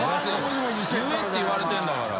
言えっていわれてるんだから。